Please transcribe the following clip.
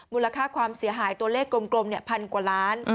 มูลค่าความเสียหายตัวเลขกลมพันกว่าล้าน